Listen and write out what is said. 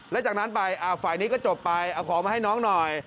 แล้วจากนั้นไปฝ่ายนี้ก็จบไปเอาของมาให้น้องหน่อย